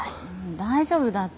大丈夫だって。